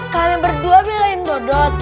kalian berdua belain dodot